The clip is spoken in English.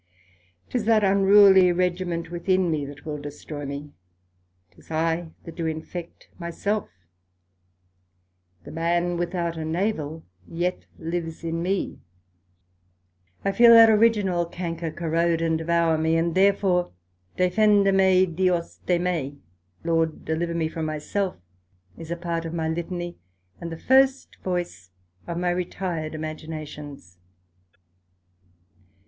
'Tis that unruly regiment within me, that will destroy me; 'tis I that do infect my self; the man without a Navel yet lives in me; I feel that original canker corrode and devour me; and therefore Defenda me Dios de me, Lord deliver me from my self, is a part of my Letany, and the first voice of my retired imaginations.